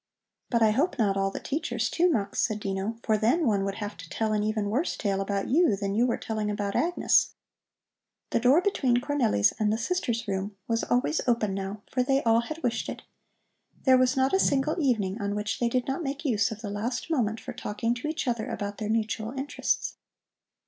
"But I hope not all the teachers, too, Mux," said Dino, "for then one would have to tell an even worse tale about you than you were telling about Agnes." The door between Cornelli's and the sisters' room was always open now, for they all had wished it. There was not a single evening on which they did not make use of the last moment for talking to each other about their mutual interests.